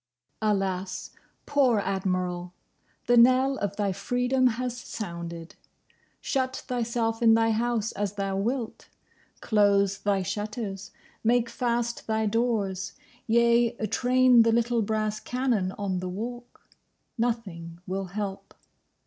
Alas, poor Admiral! The knell of thy freedom has sounded. Shut thyself in thy house as thou wilt: close thy shutters; make fast thy doors; yea, train the little brass cannon on the Walk: nothing will help.